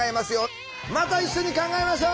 また一緒に考えましょう。